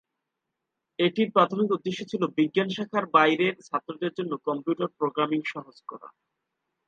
এটির প্রাথমিক উদ্দেশ্য ছিল বিজ্ঞান শাখার বাইরের ছাত্রদের জন্য কম্পিউটার প্রোগ্রামিং সহজ করা।